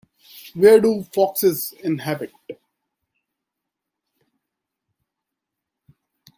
Where do foxes inhabit?